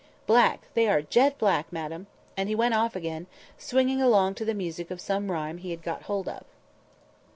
Black: they are jet black, madam." And he went off again, swinging along to the music of some rhyme he had got hold of.